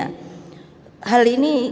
hal ini saya berharap